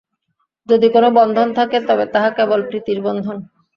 যদি কোন বন্ধন থাকে, তবে তাহা কেবল প্রীতির বন্ধন।